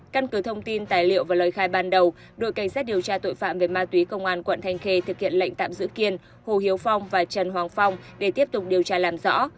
căn cứ thông tin tài liệu và lời khai ban đầu đội cảnh sát điều tra tội phạm về ma túy công an quận thanh khê thực hiện lệnh tạm giữ kiên hồ hiếu phong và trần hoàng phong để tiếp tục điều tra làm rõ